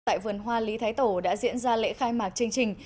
tại vườn hoa lý thái tổ đã diễn ra lễ khai mạc chương trình